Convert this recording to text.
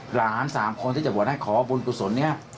หลาน๓คนที่จะบวชให้ขอบุญประสงค์นี้